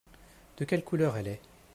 De quelle couleur elle est ?